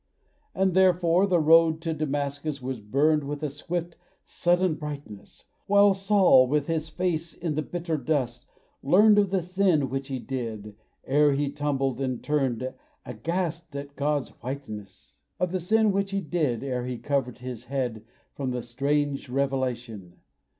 And therefore the road to Damascus was burned With a swift, sudden brightness; While Saul, with his face in the bitter dust, learned Of the sin which he did ere he tumbled, and turned Aghast at God's whiteness! Of the sin which he did ere he covered his head From the strange revelation.